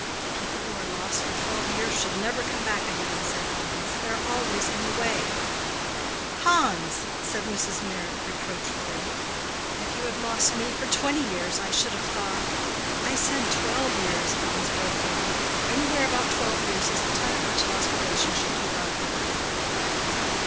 "People who are lost for twelve years should never come back again," said Hans. "They are always in the way." "Hans!" said Mrs. Meyrick, reproachfully. "If you had lost me for twenty years, I should have thought—" "I said twelve years," Hans broke in. "Anywhere about twelve years is the time at which lost relations should keep out of the way."